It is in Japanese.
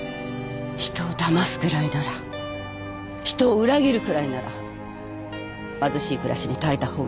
人をだますくらいなら人を裏切るくらいなら貧しい暮らしに耐えた方がずっとまし。